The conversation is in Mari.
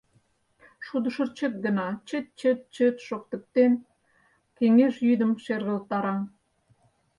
Шудышырчык гына, чыт-чыт-чыт шоктыктен, кеҥеж йӱдым шергылтара.